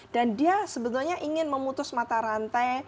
dan dia sebenarnya ingin memutus mata rantai